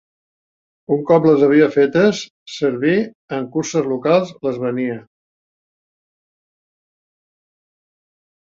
Un cop les havia fetes servir en curses locals, les venia.